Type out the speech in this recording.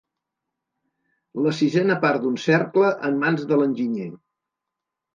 La sisena part d'un cercle en mans de l'enginyer.